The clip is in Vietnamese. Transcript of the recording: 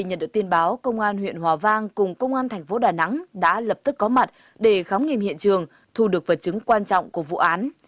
nạn nhân huyện hòa vang cùng công an thành phố đà nẵng đã lập tức có mặt để khám nghiệm hiện trường thu được vật chứng quan trọng của vụ án